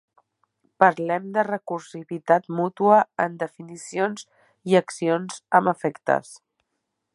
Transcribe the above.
Parlem de Recursivitat mútua en definicions i accions amb efectes.